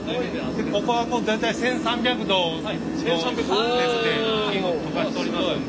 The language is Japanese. ここはもう大体１，３００℃の熱で金を溶かしておりますんで。